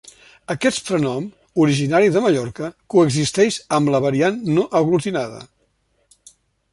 Aquest prenom, originari de Mallorca, coexisteix amb la variant no aglutinada.